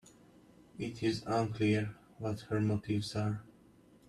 It is unclear what her motives are.